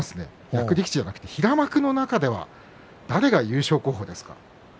役力士ではなくて平幕の中では誰が優勝候補ですか？